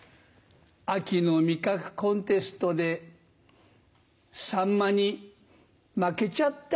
秋の味覚コンテストでサンマに負けちゃった。